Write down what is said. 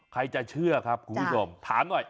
ใครจะเชื่อครับคุณผู้ชมถามหน่อย